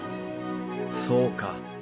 そうか。